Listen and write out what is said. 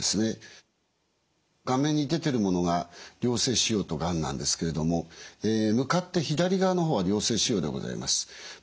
画面に出てるものが良性腫瘍とがんなんですけれども向かって左側の方は良性腫瘍でございます。